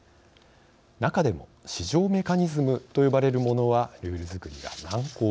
中でも市場メカニズムと呼ばれるものはルール作りが難航してきました。